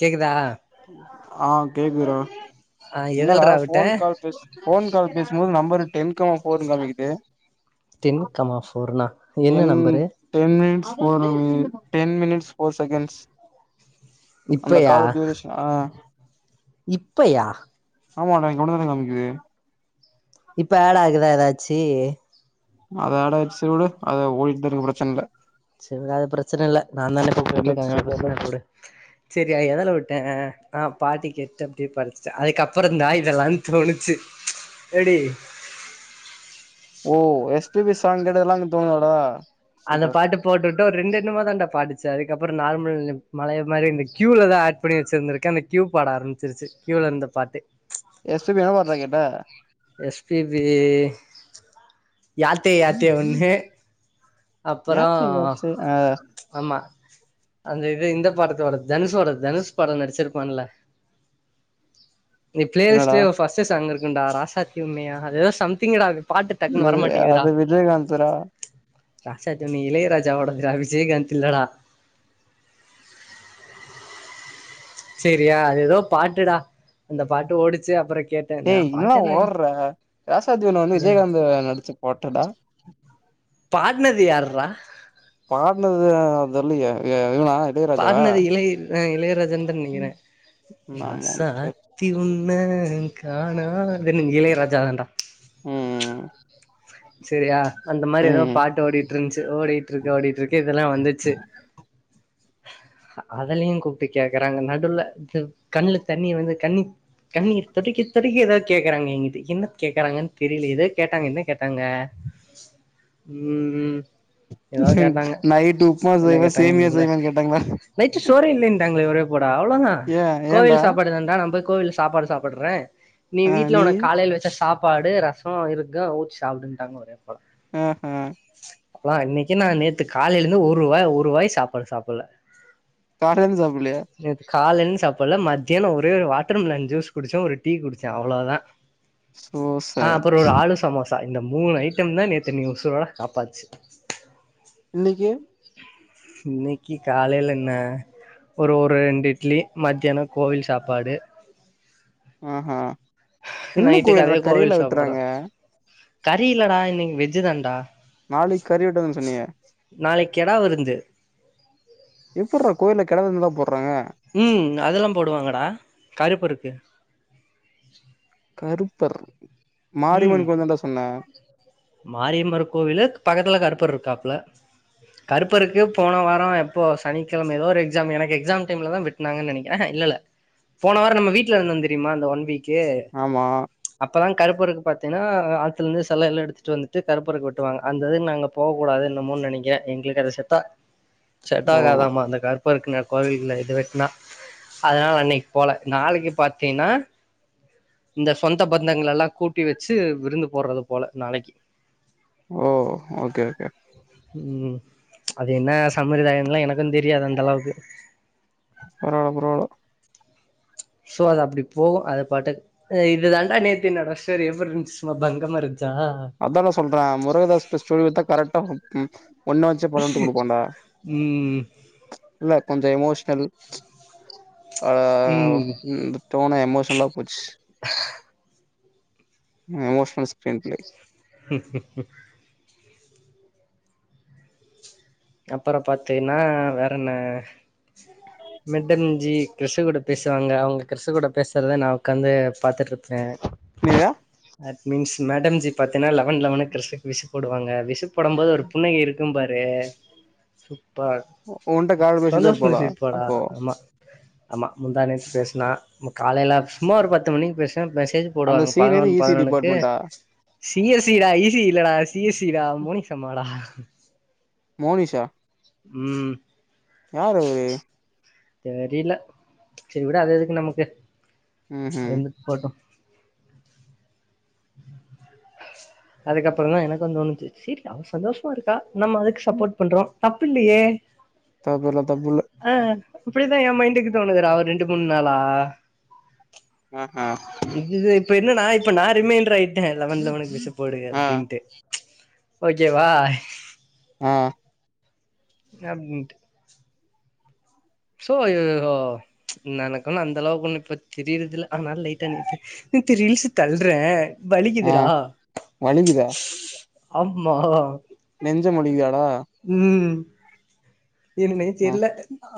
கேக்குதா ஆ கேக்குது டா ஆ என்னாடா எதல்றா விட்ட போன் கால் பேசும் போன் கால் பேசும்போது நம்பர் டென் பக்கமா போறும் காமிக்குது தின் கமா போர்னா என்ன ten number ten ten minutes four second அந்த கால் டியூரேஷன் ஆ இப்பையா ஆமா நா இவனோடது தா காமிக்குது இப்ப ஆடூ ஆகுதா எதாச்சி அது ஆடூ ஆச்சு விடு அது ஓடிக்கிட்டே இருக்கும் பிரச்சனை இல்ல செரி விடு அது பிரச்சனை இல்ல நா தானே இப்ப சரி போட்டு நெக்ஸ்ட் இருக்கே செரி எதுல விட்டேன் ஆ பாட்டி கேட்டு அப்டியே படிச்சிட்டே அதுக்கப்பறம் தா இதல்லாம் தோணுச்சு எப்டி ஓ எஸ் பீ பி சாங் கேட்டதல்லாம் தோணுதடா அந்த பாட்டு போட்டுட்டு ஒரு ரெண்டு என்னமோ தாண்டா பாட்டுச்சு அதுக்கப்பறம் நார்மல் பழைய மாரி இந்த கியூல தா ஆட் பண்ணி வச்சிருந்திருக்கு அந்த கியூ பாட ஆரம்பிச்சிருச்சு கியூல இருந்த பாட்டு எஸ் பி பி என்ன பாட்டுடா கேட்ட எஸ் பீ பி யாத்தே யாத்தே ஒன்னு அப்பறம் யாச்சே யாச்சே ஆ ஆமா அந்த இது இந்த பாட்டு தனுசு பட தனுசு படம் நடிச்சிருக்கானல நீ பிளே என்னடா லிஸ்டிலே ஃபர்ஸ்ட் சாங் இருக்கு என்னடா ராசாத்தி உம்மயா அது எதோ சம்திங் ராங் இ அது விஜயகாந்த் டா ராசாத்தி ஒன்னு இளையராஜா டதுரா விஜயகாந்தந்த இல்லடா சரியா அது எதோ பாட்டுடா அந்த பாட்டு ஓடுச்சு அப்பறம் ஏய் என்னடா ஓடுற ராசாத்தி உன்ன ஏ விஜயகாந்த் நடிச்ச பாட்டுடா பாடுனது யாருடா பாடுனது தெரிய யே என்னடா இளையராஜாவா ஆ இளையராஜா இதா நினைக்கிறே ஆமா சேரி ராசாத்தி உன்ன காணாத ஆ இன்னைல இருந்து நீ இளையராஜா தாண்டா ம் செரியா அந்த மாரி ஏதோ ம் பாட்டு ஓடிட்டு இருந்துச்சு ஓடிட்டு இருக்கு ஓடிட்டு இருக்கு இதெல்லாம் வந்துச்சு அதலயும் கூப்பிட்டு கேக்குறாங்க நடுவுல இது கண்ணுல தண்ணி வந்து கண்ணி கண்ணிர் துடைக்க ஏதது கேக்குறாங்க என்ன கேக்குறங்கன்னு தெரியல ஏதோ கேட்டாங்கன கேட்ட தாங்க ம்ம் நைட்டு உப்புமா செய்வா சேமியா செய்வனு கேட்டாங்களா சோர இல்லன்ட்ங்கள ஒரே போ அவ்ளோதான் ஏ ஏன்டா கோவில் சாப்பாடு தண்டா நம் போய கோவில சாப்பாடு சாப்படுறேன் நீ ஆ வீட்ல நீயி உனக் காலையில வச்ச சாப்ப சாப்பாடு ரசம் இருக்கும் உச்ச சாப்டுனுடாங்க ஆஹம் ஹம் அப்ல்லாம் இன்னக்கி நான நேத்து காலைல இருந்து ஒரு வாய் ஒரு வாய் சாப்ப்பாடு சாப்டல காரந்த சா புல்லையா காலன்னு சாப்டல மத்தியானம் ஒரே வாட்டர் மெலன் ஜூஸ் குடிச்சேன் ஒரு டீ குடிச்சேன் அவ்ளோ தான் சோ அ சேட் அப்பரோ ஒரு ஆளு சமோசஸ் இந்த மூணு ஐட்டம் தான் நேத்து நீ உசூரோட காப்பாச்சு இன்னக்கு இன்னைக்கி காலைல என்ன ஒரு ஒரு ரெண்டு இட்லி மத்தியானம் கோவில் சாப்பாடு ஆஹ என்ன நைட்டுக்கு கோயில்ற அதே கறியல கோவில் சாப்பாடு வெட்டுறாங்க கறி இல்லடா இன்னக்கு வெஜ் தான்டா நாளைக்கு கறிவிடதுன்னு சொன்னியே நாளைக்கு கெடா விருந்து [unintelligible] எப்டுற கோயிலல கிட விருந்துதான் போடுறாங்க உம் அதல்லாம் போடுவாங்கடா கருப்பருக்கு அறுப்பர் உம் மாரியம்மர் கோவிலு பக்கத்துல கருப்பர் இருக்காப்புல கருப்பருக்கு போன வாரம் எப்போ சனிக்கிழம ஏதோ ஒரு எக்ஸாம் எனக்கு எக்ஸாம் டைம்ல தான் வெட்டுனாங்கன்னு நெனக்கிறேன் இல்லல்ல போன வாரம் நம்ம வீட்டுல இருந்தோ தெரியுமா அந்த ஒன் வீக் ஏ ஆமா அப்தான் கருப்பருக்கு பாத்தீங்கன்னா ஆத்துல இருந்து சில எல்லாம் எடுத்துட்டு வந்துட்டு கருப்பருக்கு வெட்டுவாங்க அந்த இது நாங்க போக கூடாது என்னமோன்நு நெனக்கிரேன் எங்களுக்கு அது செட் ஓ செட்டாகாதாம்மா அந்த கார இரு கோவில இது வெட்னா அதனால அன்னக்கு போல நாளக்கு பாத்தீங்கன்னா இந்த சொந்த பந்தங்களலாம் கூப்டு குட்டி வச்சு விருந்து போடுறது போல நாளக்கு ஓ ஓகே ஓகே உம் அது என்ன சமிரதாயம்லாம் எனக்கும் தெரியாது அந்த அளவுக்கு போரோம் புறோ சோ அது அப்டி போகும் அது பாட்டுக்கு இது தாண்டா நேத்து நடந்த ஸ்டோரி சும்மா பங்கமா இருது அதெல்லாம் சொல்றேன் முருகதாஸ் ஸ்டோரி வித்தா கரெக்டா வரும் ஒன்ன வச்சு படமெடுத்து குடுப்பாண்டா ம் இல்ல கொஞ்ச எமோஷ்னல் அத ம் தோன எமோஷனலா போச்சு எமோஷனல் ஸ்கிரீன் பிளே [inaudible] அப்பறம் பாத்தீன்னா வேற என்ன மெட்டன்சஞி கிருஷ் கூட பேசுவாங்க அவங்க கிருஷ் கூட பேசுறத நான உட்காந்து பாத்துட்டு இருப்பேன் நீதா தட் மீன்ஸ் மேடம்ஜி பாத்தீன்னா லெவன் லெவன்கு கிருஷுக்கு விஷ் போடுவாங்க விஷ் போடும் போது ஒரு புன்னகை இருக்கும் பாரு சு ப்ப உன்ட்ட கால் பேசிதா சந்தோஷ் இருப்பாளா பேசிருப்படா அப்போ ஆமா ஆமா முந்தா நேத்து பேசுனா காலேல சும்மா ஒரு பத்து மணிக்கு பேச மெசேஜ் அந்த போடுவாங்க சீன் எது பதினொன்னு ஈசி பதினொன்னுக்கு டிபார்ட்மெண்டா சீ எஸ் சி டா இலடா சி எஸ் சிடா மோனிஷாம்மாடா [inaudible] மோனிஷா உம் யாரு அவுரு தெரில செரி விட அது எதுக்கு நமக்கு ம்ஹும் இருந்துட் போட்டும் [inaudible] அதுக்கப்பறம் தான் எனக்கும் தோன்னுச்சு சேரி அவ சந்தோஷமா இருக்கா நம்ம அதுக்கு சப்போட் பண்றோம் தப்புல்லையே தப்புல்ல தப்புல்ல அப்டிதான் என் மைண்டுக்கு தோணுதுடா ஒரு ரெண்டு மூணு நாளா ஆஹ ஹ இது இப்ப என்ன நான இப்ப நான ரிமேன்றாயிட்டேன் லெவண் லெவனக்கு வச்சு போடு ஆ அப்டின்டு ஓகேவா ஆ அப்டின்டு சோ எனக்கு ஒன்னு அந்த அளவுக்கு ஒண்ணு இப்ப தெரியரதுல்ல அதனால லேட்டா நீ ரீல்சு தள்ளறேன் ஆ வலிக்குதா ஆம்மா நெஞ்ச முடி ம் [inaudible] என் மே ஆ தெரியல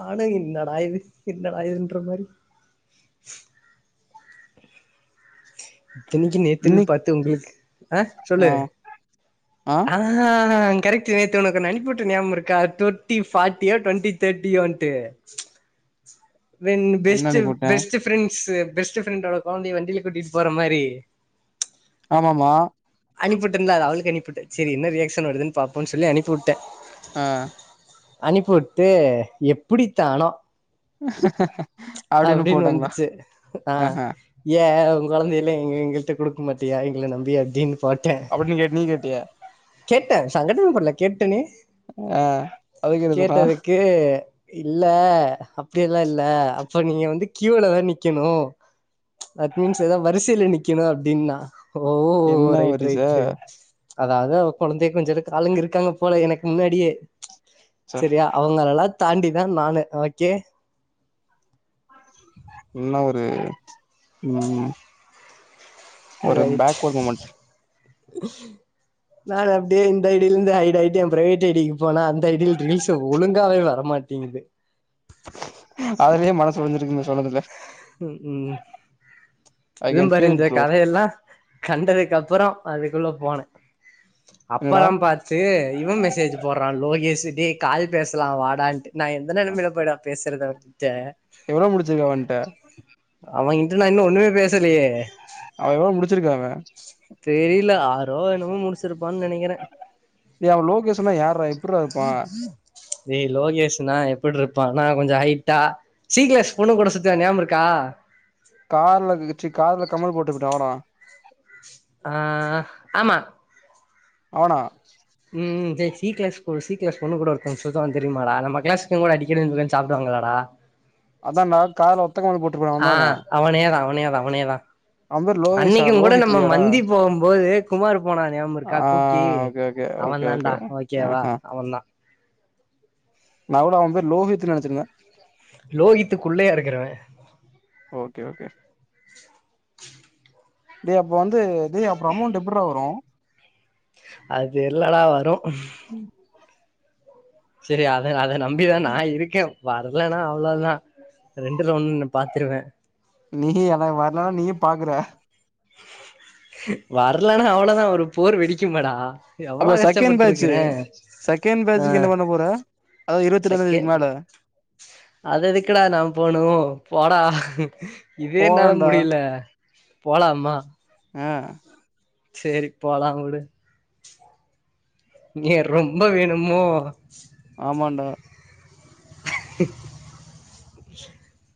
ஆனும் என்னட ஆயது என்னட ஆதுன்ற மாரி [inaudible] இன்னைக்கி நேத்துன்னு இன்னைக்கு பாத்து உங்களுக்கு ஆ சொல்லு ஆ ஆ கரெக்ட் நேத்தி உனக்கு ஒன்னு அனுப்பி விட்டேன் நியாகம் இருக்கா டுவெண்ட்டி பார்ட்டியோ டுவெண்ட்டி தேர்டியோட்டு வென் என்ன பெஸ்ட் அன்னைக்கு போட்டே பெஸ்ட் ப்ரண்ட் பெஸ்ட்ப்ரெண்ட்ட குழந்த வண்டியில கூட்டிட்டு அப்பற மாரி ஆமாம்மா அனுப்பிவிட்டேன் அவளுக்கு அனுப்பிட்டன் செரி என்ன ரியாக் ஷன் வருதுன்னு பாப்போன்னு சொல்லி அனுப்பி விட்டன் ம் அனுப்பிவிட்டு எப்டித்தானோ [inaudible] அப்டின்னு வந்துச்சு ஆ ஆஹா ஏ குழந்தையில எங்கிட்ட கொடுக்க மாட்டியா எங்களை நம்பி அப்டின்னு போட்டே அப்டின்னு கேட்ட நீ கேட்டிய கேட்டே சங்கட்டமேபடல கேட்டேனே ஆ அதுக்கு பா இல்ல அப்டியெல்லாம் இல்ல அப்ப நீங்க வந்து கியோலதான் நிக்கணும் தட் மீன்ஸ் ஏதது வரிசையில நிக்கணும் அப்டின்னா ஓ என்ன ரைட் வரிச ரைட் ரைட் அதாவது குழந்தைய கொஞ்ச ஆளுங்க இருக்காங்க போல எனக்கு முன்னாடியே ச்ச செரியா அவங்கல்லா தாண்டிதான் நானு ஓகே என்ன ஒரு ம் ஒரு ரைட் பேக்வர்ட் மூமெண்ட் [inaudible] நான் அப்டியே அந்த ஐடில இருந்து ஐ ஐடில என் பிரைவேட் ஐடிக்கு போனா அந்த ஐடியில ரீல்ஸ் ஒழுங்காவே வரமாட்டேங்கு அதுலயே மனசு ஒடஞ்சிருக்குமே சொன்னதுல்ல ம் ஐ இது கேன் பாி ஃபீல் இட் இந்த ப்ரோ கதயெல்லாம் கண்டதுக்குப்புறம் அது உள்ள போனேன் என்னடா அப்ல்லாம் பாத்து இவன் மெசேஜ் போடுறான் லோகி பேசிட்டே கால் பேசலாம் வாடான்ட்டு நான எந்த நெமம்லளப்படா பேச [inaudible] எவ்வளோ முடிச்சுக்க வன்ட்ட அவன்ங்கட்டு நான என் ஒன்னு அவ எவ்வளவு முடிச்சிருக்க அவ தெரியல ஆரோ என்னமோ முடிச்சிருப்பான்னு நினைக்கிறேன் டேய் அவன் லொகேஷ்ன யார எப்ருப்பான் ஏய்லோகேஷ்னா எப்டி இருப்பான்னா கொஞ்சம் ஹைட்டா சீ கிலேஸ் பொண்ணு கூட சுத்தவான் ஞாபகம் இருக்கா கார் ச்சி கல கம்மல் போட்டுக்கிட்டா அவனா ஆ ஆமா அவனா ம் சி கிளாஸ் சி கிளாஸ் பொண்ணு கூட ஒருத்தன் சுத்தவான் தெரியமாடா நம் கிளாஸு கூட அடிக்கடின்னு சாப்படுவாங்களாடா அதன் டா காதுல ஒத்த கம்மல் போட்டு ஆ அவனே அவனே தான் அவனே தான் அவ பேரு லோகேஷா அன்னைக்கும் கூட லோஹித் நம்ம இல்லையாடா மந்தி போகும் போது குமார் போனா ஞாபகம் இருக்கா ஆ குக்கி ஓகே ஓகே அவன் ஓகே தான்டா ஓகேவா அவன் தான் நான கூட அவன் பேர் லோஹியத்து நினைச்சிருந்தேன் லோகித்துக்குள்ளயா இருக்கறவன் ஓகே ஓகே டேய் அப்ப வந்து அப்பறம் அமவுண்ட் எப்ரா வரும் அது தெரிலடா வரும் செரி அது அது நான நம்பிதான் நான இருக்கேன் வர இல்னா அவ்வளவுதான் ரெண்டு ல ஒண்ணு பாத்துருவேன் நீ எனக்கு வரலனா நீயு பாக்குற வரலனா அவ்வளவுதான் ஒரு போர் வெடிக்கும்மாடா எவ்வளோ அப்ப செகண்ட் பேட்ச் கஷ்டப்பட்டுருக்குறேன் செகண்ட் ஆ பேட்சுக்கு என்ன பண்ண போற அதாவது இருவத்தி செக் ரெண்டாந் தேதிக்கு மேல அது எதுக்குடா நான போனும் போடா இதேனால போலான்டா முடியல போலாம்மா ஆ செரி போலாம் விடு நீ ரொம்ப வேணுமோ ஆமாண்டா [unintelligible]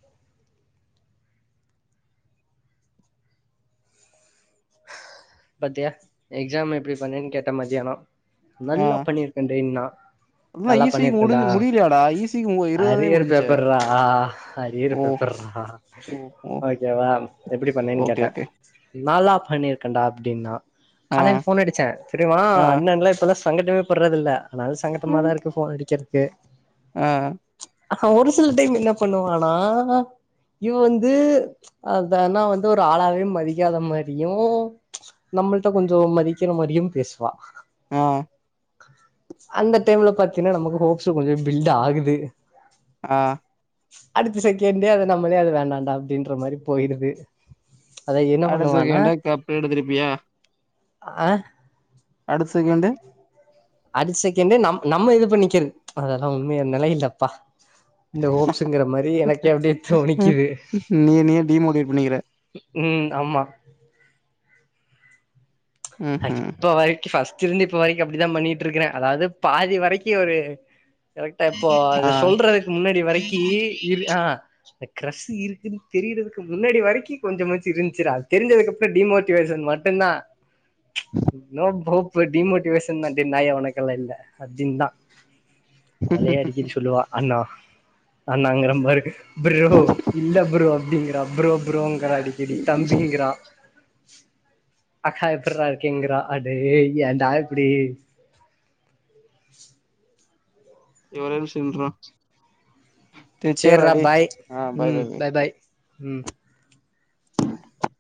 பாத்தியா எக்ஸாம் எப்டி பண்ணேன்னு கேட்ட மத்தியானம் ஆ நல்லா பண்ணியிருக்கே டா நா அதெல்லா நல்லா ஈ சி க்கு பண்ணிருக்கன்டா முடிஞ்சு முடியலையாடா ஈ சி க்கு மு இருவதாந் தேதி அரியற முடிஞ்ச்சே பேப்பர்ரா அரியிற ஓ பேப்பர்ரா ஓ ஓ ஓகேவா எப்டி பண்ணேன்னு ஓகே கேட்டேன் ஓகே நல்லா பண்ணிக்கண்டா அப்டின்னா ஆ காலயில போன் அடிச்சேன் தெரியமா ஆ அண்ணன்லாம் செலஸ் சங்கட்டமே பட்ரத்தில்ல இருந்தாலும் சங்கட்டமாகதான் இருக்கு போன்டிக்கேன் ஓகே ஆஹம் சில டைம் என்ன பண்ணுவானா இவ வந்து அந்தானா வந்து ஒரு ஆளாவே மதிக்காத மாரியும் நம்முள்ட்ட கொஞ்சம் மதிக்கிற மாதிரியும் பேசுவா ஆஹ் க அந்த டைம்ல பாத்தீங்கனா நமக்கு ஹோப்ஸ் கொஞ்சம் பில்டாகுது ஆஹ் அடுத்த செகண்டே அத நம்மளே அதவேணண்டா அப்டின்ற மாரி போயிருது அத என்ன அடுத்தச்செகண்டா கப் எடுத்துருப்பியா ஆஹ அடுத்த செகண்டு அடுத்த செகண்டே நம் நம்ம இது பண்ணிக்கிறது அதல்லாம் உண்மையான நிலயில்லப்பா இந்த ஹோப்ஸ்ங்கிற மாரி எனக்கு அப்படியே ம் துனிக்குது நீ நீயே டிமோட்டிவேட் பண்ணிக்கிற உம் ஆமா அது ம்ஹூம் இப்பவரக்கியும் பஸ்ட [unintelligible] இப்ப வரைக்கும் அப்டிதான் பண்ணிட்டு இருக்கிறேன் அதாவது பாதி வரக்கும் ஒரு கரெக்டா இப்போ ஆ அத சொல்றதுக்கு முன்னாடி வரக்கி இர் ஆ அந்த கிரஸ் இருக்குனு தெரிர முன்னாடி வரைக்கும் கொஞ்சமாச்சும் இருந்துச்சுடா அது தெரிஞ்சதுக்கு அப்பறம் டிமோட்டிவேஷன் மட்டும்தான் னே ஃப்ரோ இப்ப டிமோட்டிவேஷன் தான் டி நாயே உனக்கெல்லாம் இல்ல அப்டினுதான் அவளே அடிக்கடி சொல்லுவா அண்ணா ஆ நா அங்க ரொம்ப இருக்கு ப்ரோ இல்ல ப்ரோ அப்டிங்க அப் ப்ரோ ப்ரோ அடிக்கடி தம்பிங்கிறான் அக்கா இரு எப்ர இருக்கேங்கிறா அடே ஏடா இப்டி [unintelligible] கேர் டா சேரிராட டேய் பாய் ஆ உம் பாய் பாய் உம் டும் கும்